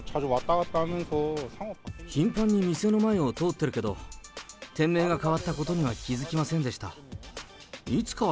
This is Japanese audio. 頻繁に店の前を通ってるけど、店名が変わったことには気付きませんでした。